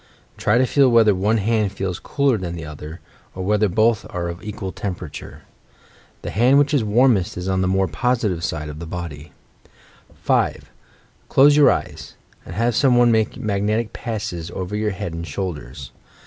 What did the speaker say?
Try to feel whether one hand feels cooler than the other; or whether both are of equal temperature. The hand which is warmest is on the more positive side of the body, 5. Close your eyes, and have some one make mag netic passes over your head and shoulders.